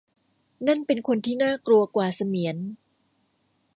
นั่นเป็นคนที่น่ากลัวกว่าเสมียน